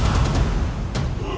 malah tak bisa